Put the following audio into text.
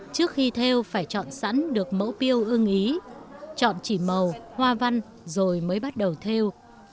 trước khi theo phải chọn sẵn được mẫu piêu ưng ý chọn chỉ màu hoa văn rồi mới bắt đầu theo